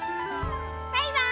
バイバーイ！